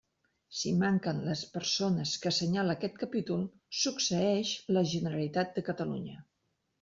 Si manquen les persones que assenyala aquest capítol, succeeix la Generalitat de Catalunya.